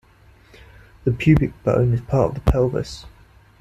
The pubic bone is part of the pelvis.